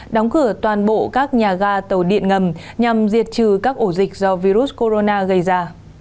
đóng cửa toàn bộ các nhà ga tàu điện ngầm nhằm diệt trừ các ổ dịch do virus corona gây ra